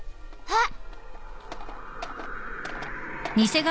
あっ！